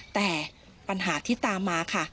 แต่ปัญหาที่ตามมาค่ะ